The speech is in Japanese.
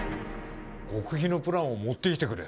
極秘のプランを持ってきてくれ。